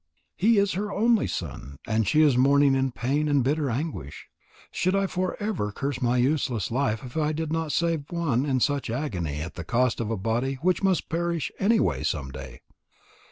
He is her only son, and she is mourning in pain and bitter anguish. I should forever curse my useless life if I did not save one in such agony at the cost of a body which must perish anyway some day."